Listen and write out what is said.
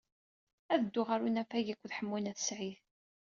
Ad dduɣ ɣer unafag akked Ḥemmu n At Sɛid.